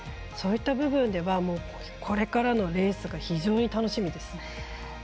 そういった部分ではこれからのレースが非常に楽しみです。